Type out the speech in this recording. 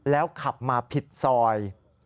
แล้วขับมาผิดซอย